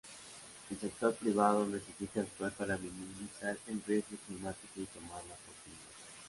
El sector privado necesita actuar para minimizar el riesgo climático y tomar la oportunidad.